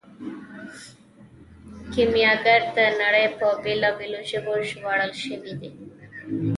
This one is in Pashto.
کیمیاګر د نړۍ په بیلابیلو ژبو ژباړل شوی دی.